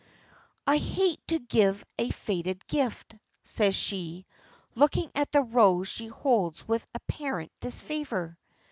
"I hate to give a faded gift," says she, looking at the rose she holds with apparent disfavor.